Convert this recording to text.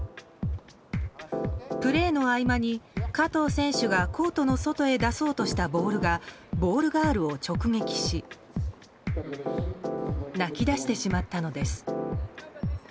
プレーの合間に加藤選手がコートの外へ出そうとしたボールがボールガールを直撃し泣き出してしまったのです。